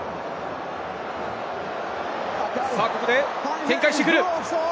ここで展開してくる！